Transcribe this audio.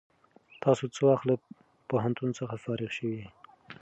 تاسو څه وخت له پوهنتون څخه فارغ شوئ؟